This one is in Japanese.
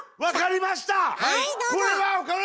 分かりました！